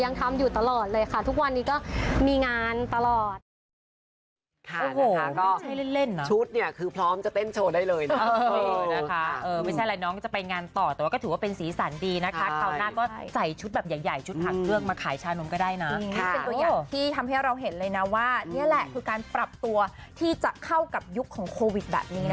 ยังทำอยู่ตลอดเลยค่ะทุกวันนี้ก็มีงานตลอด